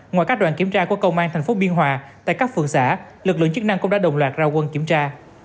ngoài các đoàn kiểm tra của công an tp biên hòa tại các phường xã lực lượng chức năng cũng đã đồng loạt ra quân kiểm tra